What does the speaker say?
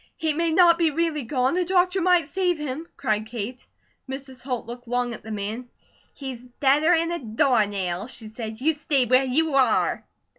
"He may not be really gone! The doctor might save him!" cried Kate. Mrs. Holt looked long at the man. "He's deader 'an a doornail," she said. "You stay where you are!"